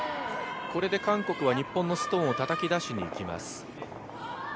これで韓国は日本のストーンをたたき出しにいきます。